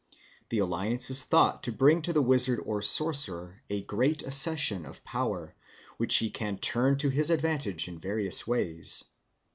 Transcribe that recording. The alliance is thought to bring to the wizard or sorcerer a great accession of power, which he can turn to his advantage in various ways.